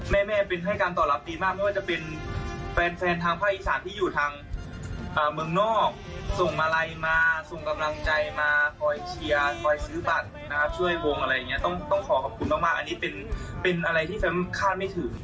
แม่เป็นให้การตอบรับดีมากไม่ว่าจะเป็นแฟนทางภาคอีสานที่อยู่ทางเมืองนอกส่งมาลัยมาส่งกำลังใจมาคอยเชียร์คอยซื้อบัตรนะครับช่วยวงอะไรอย่างนี้ต้องขอขอบคุณมากอันนี้เป็นอะไรที่จะคาดไม่ถึง